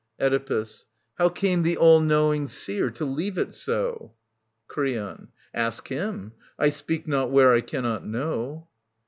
Oedipus. How came vhe all knowing seer to leave it so ? Creon. Ask him I 1 speak not where I cannot know.